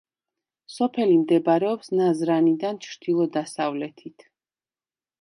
სოფელი მდებარეობს ნაზრანიდან ჩრდილო-დასავლეთით.